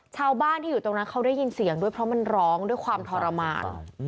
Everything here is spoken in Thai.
ชาวบ้านที่อยู่ตรงนั้นเขาได้ยินเสียงด้วยเพราะมันร้องด้วยความทรมาน